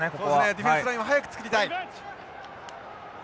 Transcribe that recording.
ディフェンスラインを早く作りたい。